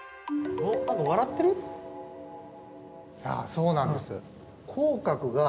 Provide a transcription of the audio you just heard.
そうなんです。